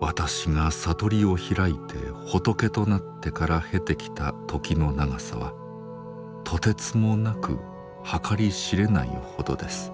私が悟りを開いて仏となってから経てきた時の長さはとてつもなく計り知れないほどです。